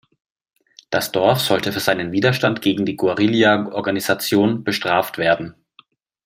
Das Dorf sollte für seinen Widerstand gegen die Guerilla-Organisation bestraft werden.